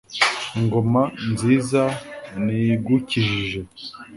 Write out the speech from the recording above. ingoma nziza ni igukijije